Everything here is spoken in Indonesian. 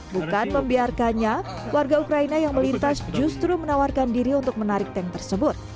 bukan membiarkannya warga ukraina yang melintas justru menawarkan diri untuk menarik tank tersebut